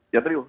ya terima kasih